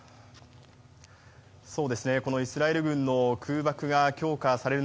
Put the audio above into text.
このイスラエル軍の空爆が強化される